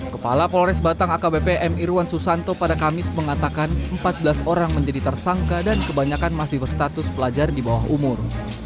kepala polres batang akbpm irwan susanto pada kamis mengatakan empat belas orang menjadi tersangka dan kebanyakan masih berstatus pelajar di bawah umur